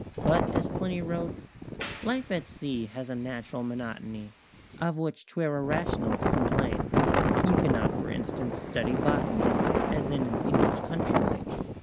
But, as Plinny wrote "Life at sea has a natural monotony Of which 'twere irrational to complain: You cannot, for instance, study botany As in an English country lane.